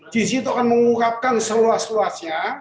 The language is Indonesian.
jisi itu akan mengungkapkan seluas luasnya